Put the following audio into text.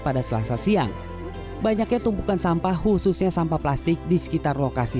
pada selasa siang banyaknya tumpukan sampah khususnya sampah plastik di sekitar lokasi